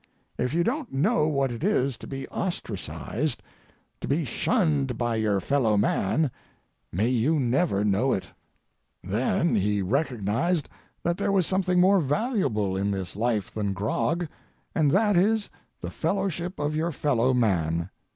"If you don't know what it is to be ostracized, to be shunned by your fellow man, may you never know it. Then he recognized that there was something more valuable in this life than grog, and that is the fellowship of your fellow man.